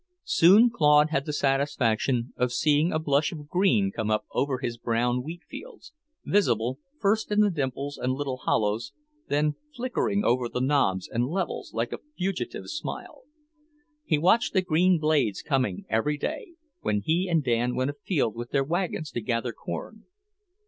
Soon Claude had the satisfaction of seeing a blush of green come up over his brown wheat fields, visible first in the dimples and little hollows, then flickering over the knobs and levels like a fugitive smile. He watched the green blades coming every day, when he and Dan went afield with their wagons to gather corn.